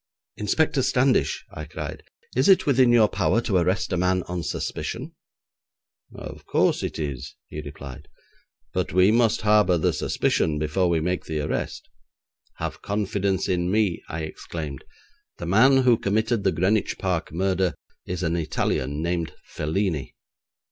'Inspector Standish,' I cried, 'is it within your power to arrest a man on suspicion?' 'Of course it is,' he replied; 'but we must harbour the suspicion before we make the arrest.' 'Have confidence in me,' I exclaimed. 'The man who committed the Greenwich Park murder is an Italian named Felini.'